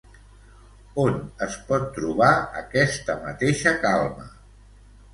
On es pot trobar aquesta mateixa calma?